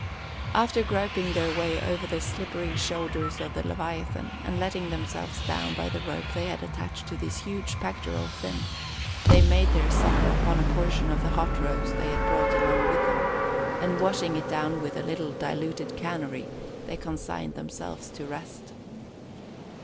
After groping their way over the slippery shoulders of the leviathan, and letting themselves down by the rope they had attached to his huge pectoral fin, they made their supper upon a portion of the hot roast they had brought along with them; and, washing it down with a little diluted "canary," they consigned themselves to rest.